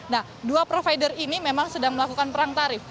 nah dua provider ini memang sedang melakukan perang tarif